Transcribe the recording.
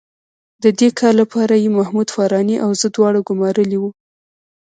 د دې کار لپاره یې محمود فاراني او زه دواړه ګومارلي وو.